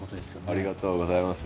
ありがとうございます。